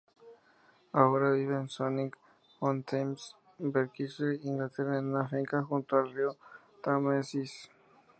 Ahora vive en Sonning-on-Thames, Berkshire, Inglaterra, en una finca junto al río Támesis.